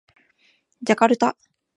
ジャカルタ